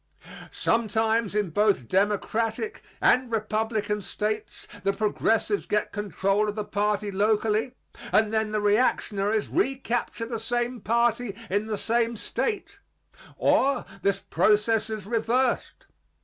Sometimes in both Democratic and Republican States the progressives get control of the party locally and then the reactionaries recapture the same party in the same State; or this process is reversed.